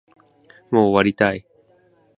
もう終わりたい